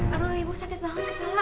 aduh ibu sakit banget kepala